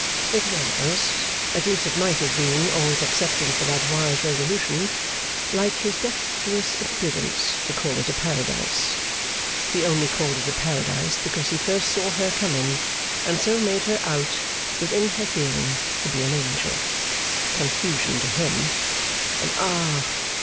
It was (at least it might have been, always excepting for that wise resolution) like his dexterous impudence to call it a Paradise. He only called it a Paradise because he first saw her coming, and so made her out within her hearing to be an angel, Confusion to him! And ah!